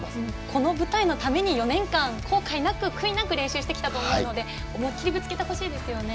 この舞台のために４年間後悔なく悔いなく練習してきたと思うので思い切りぶつけてほしいですよね。